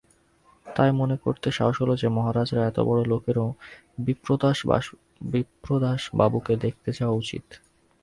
তাই মনে করতে সাহস হল যে মহারাজার মতো অতবড়ো লোকেরও বিপ্রদাসবাবুকে দেখতে যাওয়া উচিত।